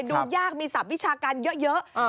ดูยากมีศัพทวิชาการเยอะ